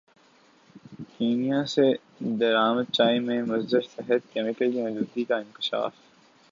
Kenya سے درامد چائے میں مضر صحت کیمیکل کی موجودگی کا انکشاف